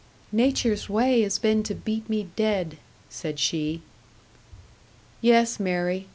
"Nature's way has been to beat me dead," said she. "Yes, Mary.